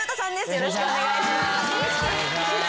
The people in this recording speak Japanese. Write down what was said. よろしくお願いします。